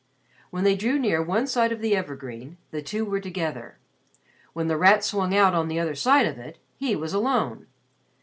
When they drew near one side of the evergreen, the two were together. When The Rat swung out on the other side of it, he was alone!